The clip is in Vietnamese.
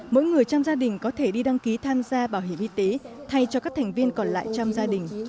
mỗi người trong gia đình có thể đi đăng ký tham gia bảo hiểm y tế thay cho các thành viên còn lại trong gia đình